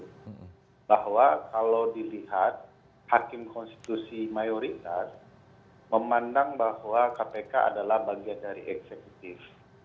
bahwa kalau dilihat hakim konstitusi mayoritas memandang bahwa kpk adalah bagian dari eksekutif